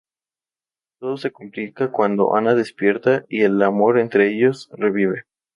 Todo se complica cuando Ana despierta y el amor entre ellos revive.